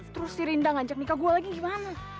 terus si rinda ngajak nikah gue lagi gimana